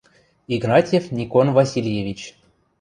Игнатьев Никон Васильевич.